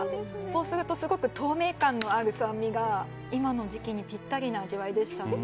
そうするとすごく透明感のある酸味が今の時期にピッタリな味わいでしたね。